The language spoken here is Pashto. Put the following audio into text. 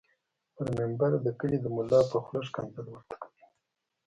پر منبر د کلي دملا په خوله ښکنځل ورته کوي